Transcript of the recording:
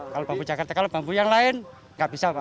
kalau bambu jakarta kalau bambu yang lain nggak bisa pak